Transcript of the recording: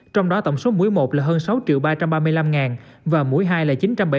trong đó tổng số mũi một là hơn sáu ba trăm ba mươi năm và mũi hai là chín trăm bảy mươi một chín trăm linh